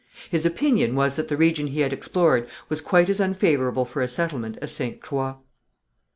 His opinion was that the region he had explored was quite as unfavourable for a settlement as Ste. Croix.